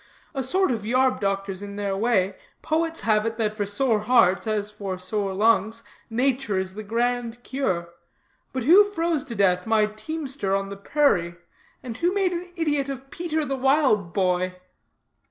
A sort of yarb doctors in their way, poets have it that for sore hearts, as for sore lungs, nature is the grand cure. But who froze to death my teamster on the prairie? And who made an idiot of Peter the Wild Boy?"